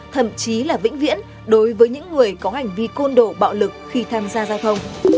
thậm chí là vĩnh viễn đối với những người có hành vi côn đồ bạo lực khi tham gia giao thông